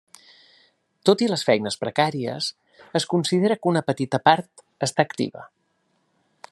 Tot i les feines precàries, es considera que una petita part està activa.